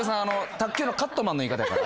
卓球のカットマンの言い方やから。